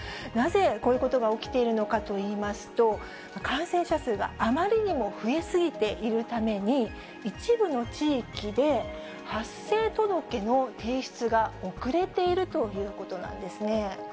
なぜこういうことが起きているのかといいますと、感染者数があまりにも増え過ぎているために、一部の地域で、発生届の提出が遅れているということなんですね。